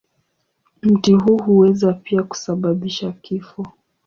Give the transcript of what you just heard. Mti huu huweza pia kusababisha kifo.